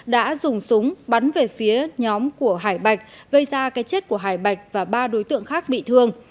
đã dùng súng bắn về phía nhóm của hải bạch gây ra cái chết của hải bạch và ba đối tượng khác bị thương